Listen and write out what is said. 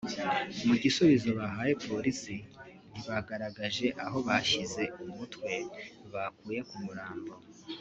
Mu gisubizo bahaye polisi ntibagaragaje aho bashyize umutwe bakuye ku murambo